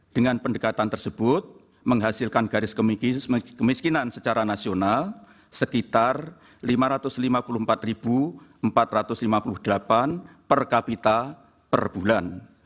dengan pendekatan tersebut menghasilkan garis kemiskinan secara nasional sekitar lima ratus lima puluh empat empat ratus lima puluh delapan per kapita per bulan